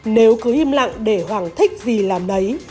nếu cứ im lặng để hoàng thích gì làm nấy